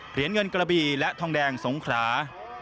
เหรียญเงินกระบีและทองแดงสงขรา